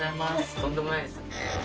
とんでもないです。